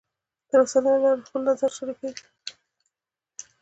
د رسنیو له لارې خلک خپل نظر شریکوي.